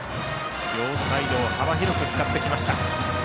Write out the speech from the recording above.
両サイドを幅広く使ってきました。